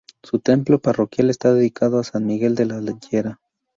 Su templo parroquial está dedicado a San Miguel de la Llera.